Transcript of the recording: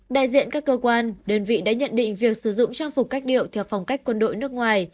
đại diện các cơ quan đơn vị đã nhận định việc sử dụng trang phục cách điệu theo phong cách quân đội nước ngoài